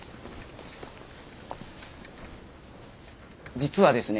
実はですね